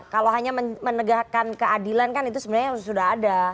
kalau hanya menegakkan keadilan kan itu sebenarnya sudah ada